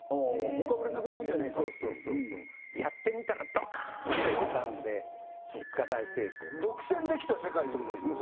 ほか売れなくなるんじゃねえかっていうやってみたらドカーンと売れたんで結果大成功独占できた世界ってことですね